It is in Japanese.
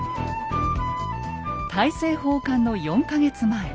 大政奉還の４か月前。